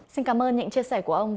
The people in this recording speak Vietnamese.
xin cảm ơn những chia sẻ của ông